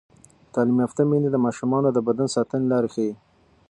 تعلیم یافته میندې د ماشومانو د بدن ساتنې لارې ښيي.